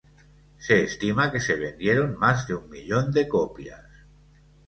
Se estima que se vendieron más de un millón de copias.